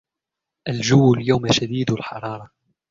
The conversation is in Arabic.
الجو اليوم شديد الحرارة.